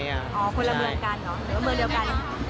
อ๋อคือคือเมอร์เดียวกัน